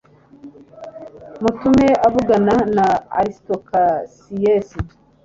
mutume avugana na aristocracies